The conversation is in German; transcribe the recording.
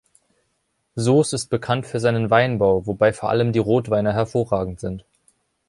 Sooß ist bekannt für seinen Weinbau, wobei vor allem die Rotweine hervorragend sind.